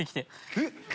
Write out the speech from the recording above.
えっ？